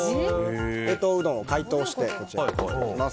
冷凍うどんを解凍して入れます。